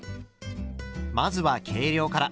まずは計量から。